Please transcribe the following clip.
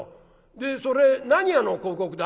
でそれ何屋の広告だ？」。